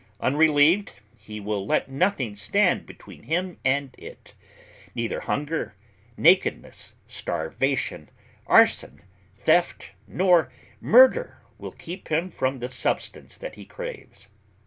Unrelieved, he will let nothing stand between him and it; neither hunger, nakedness, starvation, arson, theft, nor murder will keep him from the substance that he craves.